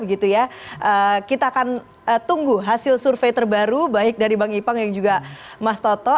kita akan tunggu hasil survei terbaru baik dari bang ipang yang juga mas toto